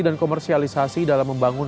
dan komersialisasi dalam membangun